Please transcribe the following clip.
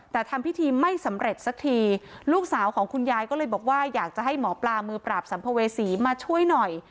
แต่ทำพิธีไม่สำเร็จสักทีลูกสาวของคุณยายก็เลยบอกว่าอยากจะให้หมอปลามือปราบสัมภเวษีมาช่วยหน่อย